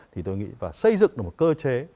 thì tôi nghĩ và xây dựng được một cơ chế